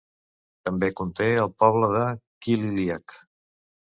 També conté el poble de Killyleagh.